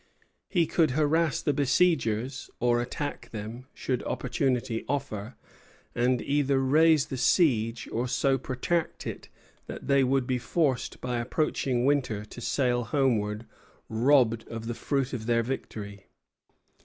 He could harass the besiegers, or attack them, should opportunity offer, and either raise the siege or so protract it that they would be forced by approaching winter to sail homeward, robbed of the fruit of their victory.